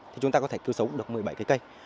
thì chúng ta có thể cứu sống được một mươi bảy cây